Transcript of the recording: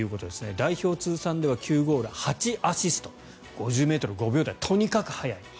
代表通算では９ゴール８アシスト５０ｍ５秒台とにかく速い。